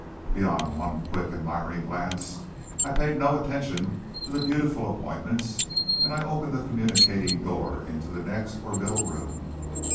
Beyond one quick, admiring glance, I paid no attention to the beautiful appointments, and I opened the communicating door into the next or middle room.